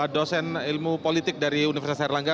dosen ilmu politik dari universitas erlangga